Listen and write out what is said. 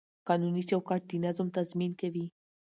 قانوني چوکاټ د نظم تضمین کوي.